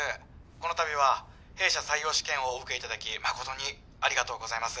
このたびは弊社採用試験をお受けいただき誠にありがとうございます。